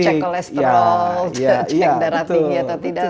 check kolesterol check darah tinggi atau tidak